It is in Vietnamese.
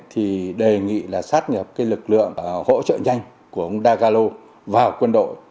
thì đề nghị là sát nhập lực lượng hỗ trợ nhanh của ông dagalo vào quân đội